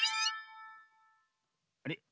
あれ？